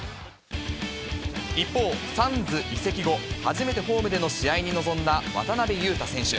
一方、サンズ移籍後、初めてホームでの試合に臨んだ渡邊雄太選手。